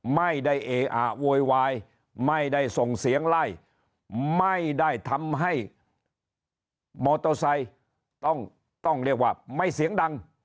ไม่ได้เออะโวยวายไม่ได้ส่งเสียงไล่ไม่ได้ทำให้มอเตอร์ไซค์ต้องต้องเรียกว่าไม่เสียงดัง